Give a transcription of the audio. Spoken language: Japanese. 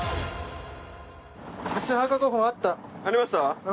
ありました？